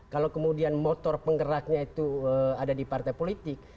kalau kemudian motor penggeraknya itu ada di partai politik